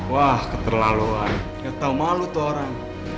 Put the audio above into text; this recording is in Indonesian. wah keterlaluan ya tau malu tuh orang